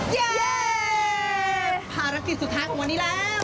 เตอร์ไม่จะเป็นอะไรนะ